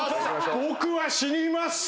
「僕は死にません！